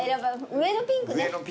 上のピンク。